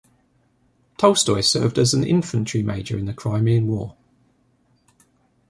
Tolstoy served as an infantry major in the Crimean War.